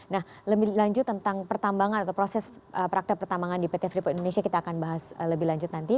dan lebih lanjut tentang pertambangan atau proses praktek pertambangan di pt freeport indonesia kita akan bahas lebih lanjut nanti